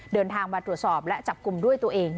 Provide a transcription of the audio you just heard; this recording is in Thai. เดินทางมาตรวจสอบและจับกลุ่มด้วยตัวเอง